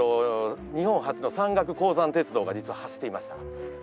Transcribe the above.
日本初の山岳鉱山鉄道が実は走っていました。